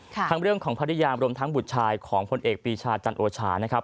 ทั้งเรื่องของภรรยารวมทั้งบุตรชายของพลเอกปีชาจันโอชานะครับ